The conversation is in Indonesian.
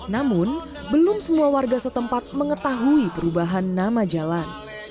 namun belum semua warga setempat mengetahui perubahan nama jalan